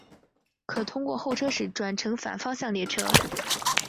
可通过候车室转乘反方向列车。